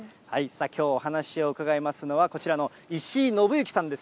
きょうお話を伺いますのは、こちらの石井信行さんです。